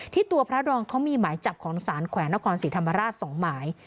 ตัวพระดองเขามีหมายจับของสารแขวนนครศรีธรรมราช๒หมาย